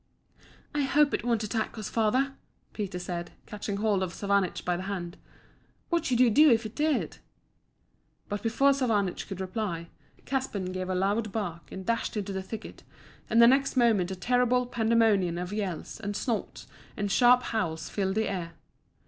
"I hope it won't attack us, father," Peter said, catching hold of Savanich by the hand. "What should you do if it did?" But before Savanich could reply, Caspan gave a loud bark and dashed into the thicket, and the next moment a terrible pandemonium of yells, and snorts, and sharp howls filled the air.